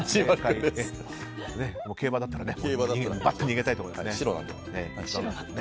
競馬だったらばっと逃げたいと思います。